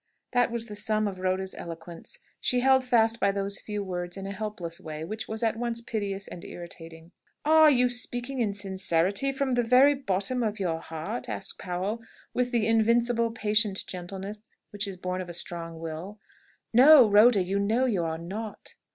That was the sum of Rhoda's eloquence. She held fast by those few words in a helpless way, which was at once piteous and irritating. "Are you speaking in sincerity from the very bottom of your heart?" asked Powell, with the invincible, patient gentleness which is born of a strong will. "No, Rhoda; you know you are not.